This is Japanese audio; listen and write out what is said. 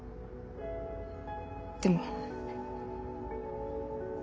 でも。